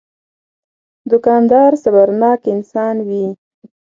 دوکاندار صبرناک انسان وي.